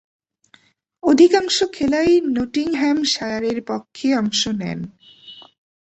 অধিকাংশ খেলাই নটিংহ্যামশায়ারের পক্ষে অংশ নেন।